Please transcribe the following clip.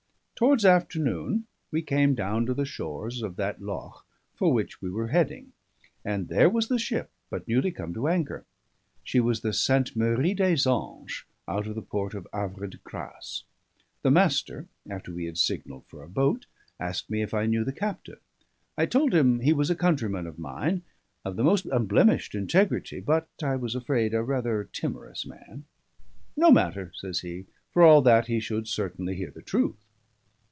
Towards afternoon we came down to the shores of that loch for which we were heading; and there was the ship, but newly come to anchor. She was the Sainte Marie des Anges, out of the port of Havre de Grace. The Master, after we had signalled for a boat, asked me if I knew the captain. I told him he was a countryman of mine, of the most unblemished integrity, but, I was afraid, a rather timorous man. "No matter," says he. "For all that, he should certainly hear the truth."